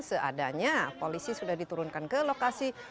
seadanya polisi sudah diturunkan ke lokasi